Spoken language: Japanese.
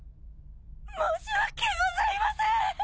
申し訳ございません！